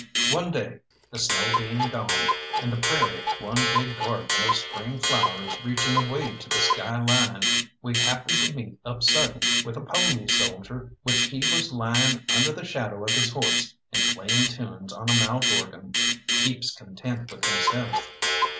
One day, the snow being gone, and the prairie one big garden of spring flowers reaching away to the skyline, we happened to meet up sudden with a pony soldier which he was lying under the shadow of his horse and playing tunes on a mouth organ, heaps content with himself.